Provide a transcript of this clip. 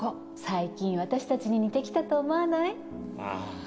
最近私たちに似てきたと思わない？ああ。